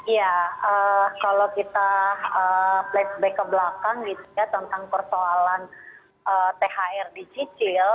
ya kalau kita flashback ke belakang gitu ya tentang persoalan thr dicicil